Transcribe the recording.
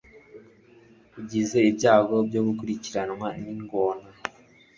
Ugize ibyago byo gukurikirwa n'ingona